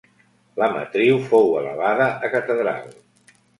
La matriu fou elevada a catedral.